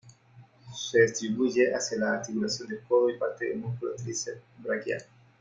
Se distribuye hacia la articulación del codo y parte del músculo tríceps braquial.